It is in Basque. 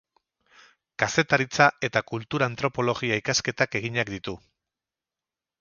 Kazetaritza eta kultura antropologia ikasketak eginak ditu.